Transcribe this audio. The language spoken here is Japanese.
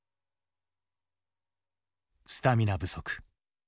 「スタミナ不足」。